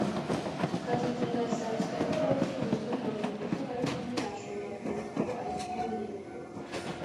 kazitunga yasanze ikarita yubucuruzi yumuntu mumufuka ariko ntashobora kwibuka aho ayikuye